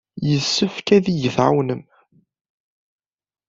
Yessefk ad iyi-tɛawnem.